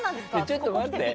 ちょっと待って。